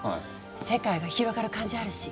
世界が広がる感じあるし。